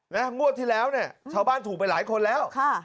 มวดที่แล้วชาวบ้านถูกไปหลายคนแล้ว